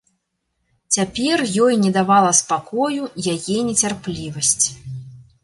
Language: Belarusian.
Цяпер ёй не давала спакою яе нецярплівасць.